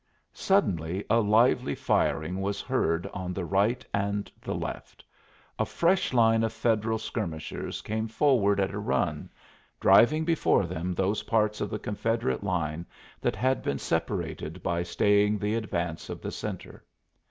Suddenly a lively firing was heard on the right and the left: a fresh line of Federal skirmishers came forward at a run, driving before them those parts of the Confederate line that had been separated by staying the advance of the centre.